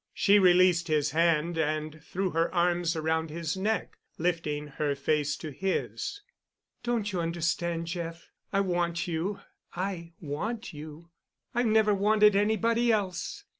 She released his hand and threw her arms around his neck, lifting her face to his. "Don't you understand, Jeff? I want you. I want you. I've never wanted anybody else."